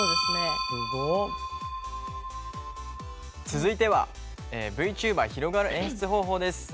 続いては「ＶＴｕｂｅｒ広がる演出方法」です。